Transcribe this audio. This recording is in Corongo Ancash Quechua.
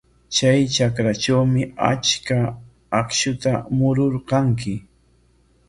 Chay trakratrawmi achka akshuta mururqanki.